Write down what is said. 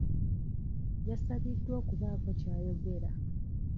Yasabiddwa okubaako ky'ayogera.